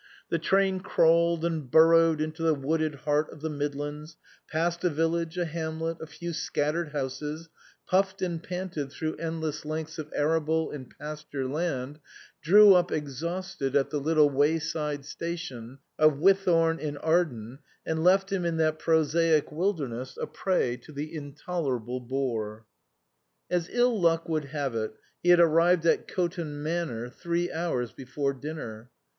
The train crawled and bur rowed into the wooded heart of the Midlands, passed a village, a hamlet, a few scattered houses, puffed and panted through endless lengths of arable and pasture land, drew up exhausted at the little wayside station of Whithorn in Arden, and left him in that prosaic wilderness a prey to the intolerable bore. As ill luck would have it, he had arrived at Coton Manor three hours before dinner.